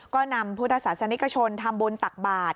ก็นำพุทธศาสนิกชนทำบุญตักบาท